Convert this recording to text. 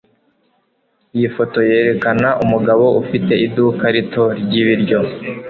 Iyi foto yerekana umugabo ufite iduka rito ryibiryo.